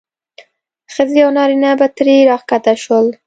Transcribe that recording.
ښځې او نارینه به ترې راښکته شول.